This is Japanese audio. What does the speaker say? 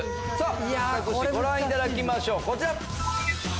選択肢ご覧いただきましょうこちら。